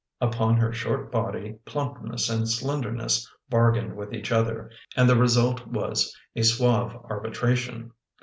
Upon her short body plumpness and slenderness bargained with each other, and the re sult was a suave arbitration.